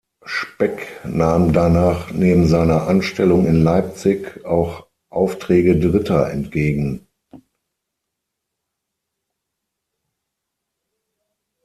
Speck nahm danach neben seiner Anstellung in Leipzig auch Aufträge Dritter entgegen.